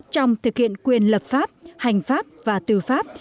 trong thực hiện quyền lập pháp hành pháp và tư pháp